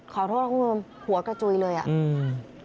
ขอโทษคุณผู้ชมหัวกระจุยเลยอ่ะอืม